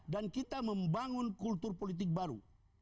dan kita membangun kultur politik baru